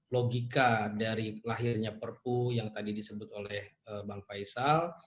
logika dari lahirnya perpu yang tadi disebut oleh bang faisal